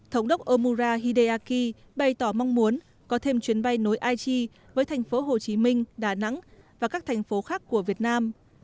thống đốc omura hideaki bày tỏ mong muốn có thêm chuyến bay nối aichi với thành phố hồ chí minh đà nẵng và các thành phố khác của việt nam